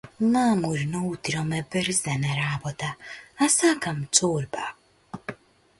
Мамурно утро ме брза на работа, а сакам чорба.